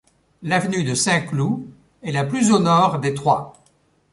L'avenue de Saint-Cloud est la plus au nord des trois.